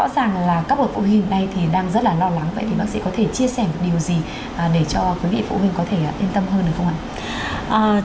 các bộ phụ huynh hôm nay thì đang rất là lo lắng vậy thì bác sĩ có thể chia sẻ một điều gì để cho quý vị phụ huynh có thể yên tâm hơn được không ạ